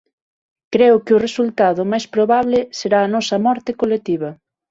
Creo que o resultado máis probable será a nosa morte colectiva.